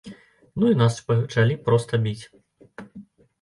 Ну і нас пачалі проста біць.